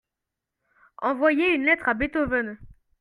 envoyer une lettre à Beethoven.